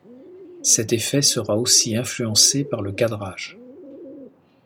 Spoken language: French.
Cet effet sera aussi influencé par le cadrage.